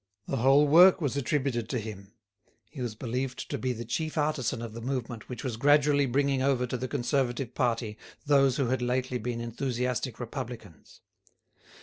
The whole work was attributed to him; he was believed to be the chief artisan of the movement which was gradually bringing over to the Conservative party those who had lately been enthusiastic Republicans.